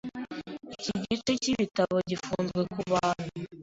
Iki gice cyibitabo gifunzwe kubantu.